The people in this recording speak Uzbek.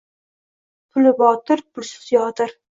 Pulli botir, pulsiz yotir